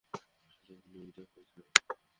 সে তো গুলিবিদ্ধ হয়েছে!